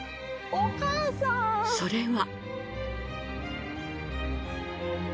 それは。